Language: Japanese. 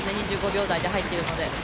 ２９秒台で入っているので。